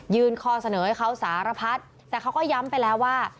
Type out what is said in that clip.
ข้อเสนอให้เขาสารพัดแต่เขาก็ย้ำไปแล้วว่า